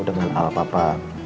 aku dengan al papa